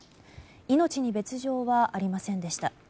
命に別条はありませんでした。